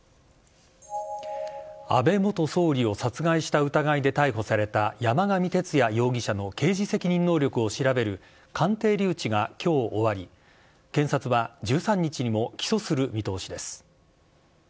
安倍元総理を殺害した疑いで逮捕された山上徹也容疑者の刑事責任能力を調べる鑑定留置がきょう終わり、検察は１３日にも起訴する見通しです。